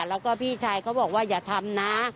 แล้วก็พี่ชายเขาบอกว่าอย่าทำนะ